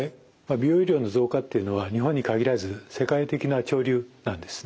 美容医療の増加っていうのは日本に限らず世界的な潮流なんですね。